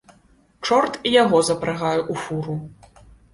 Чорт і яго запрагае у фуру.